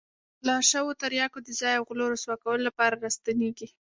د غلا شوو تریاکو د ځای او غلو رسوا کولو لپاره را ستنېږي.